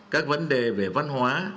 các vấn đề về văn hóa